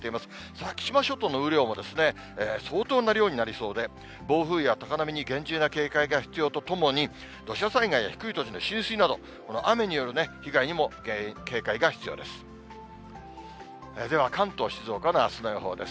先島諸島の雨量も相当な量になりそうで、暴風や高波に厳重な警戒が必要とともに、土砂災害や低い土地の浸水など、この雨による被害にも警戒が必要です。